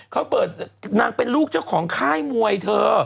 เขาเปิดนางเป็นลูกเจ้าของค่ายมวยเธอ